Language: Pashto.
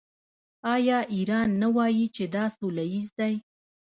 آیا ایران نه وايي چې دا سوله ییز دی؟